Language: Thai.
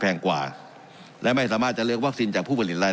แพงกว่าและไม่สามารถจะเลือกวัคซีนจากผู้ผลิตได้